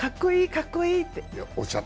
かっこいい！って。